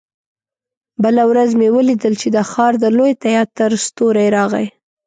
بله ورځ مې ولیدل چې د ښار د لوی تياتر ستورى راغی.